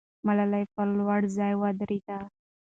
ملالۍ پر لوړ ځای ودرېده.